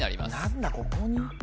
・何だここに？